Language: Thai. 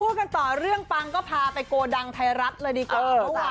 พูดกันต่อเรื่องปังก็พาไปโกดังไทยรัฐเลยดีกว่า